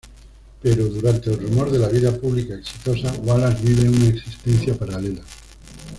Pero, durante el rumor de la vida pública exitosa, Wallace vive una existencia paralela.